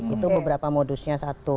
itu beberapa modusnya satu